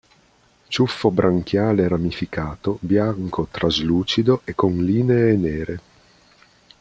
Ciuffo branchiale ramificato, bianco traslucido e con linee nere.